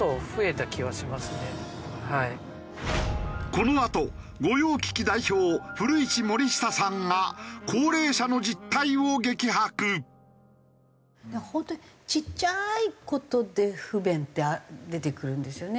このあと御用聞き代表古市盛久さんが本当にちっちゃい事で不便って出てくるんですよね。